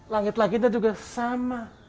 langit laginya juga sama